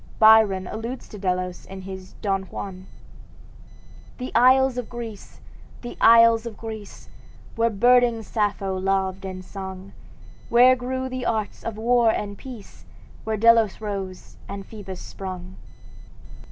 Byron alludes to Delos in his "Don Juan": "The isles of Greece! the isles of Greece! Where burning Sappho loved and sung, Where grew the arts of war and peace, Where Delos rose and Phoebus sprung!"